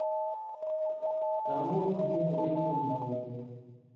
سامُوٹھوۡ مُوں اسم ہو